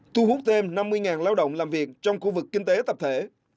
thu hút thêm năm mươi lao động làm việc trong khu vực kinh tế tập thể